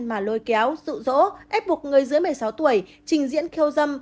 mà lôi kéo dụ dỗ ép buộc người dưới một mươi sáu tuổi trình diễn khiêu dâm